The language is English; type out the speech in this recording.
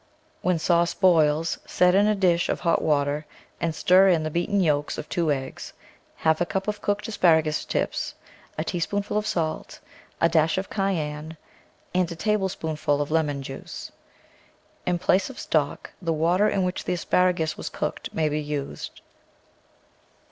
When sauce boils, set in a dish of hot water and stir in the beaten yolks of two eggs, half a cup of cooked asparagus tips, a teaspoonful of salt, a dash of cay enne, and a tablespoonful of lemon juice. In place of stock, the water in which the asparagus was cooked may be used.